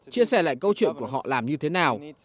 chia sẻ lại câu chuyện của họ làm như thế nào